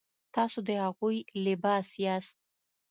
تاسو د هغوی لباس یاست.